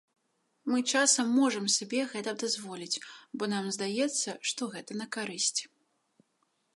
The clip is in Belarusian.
Мы часам можам сабе гэта дазволіць, бо нам здаецца, што гэта на карысць.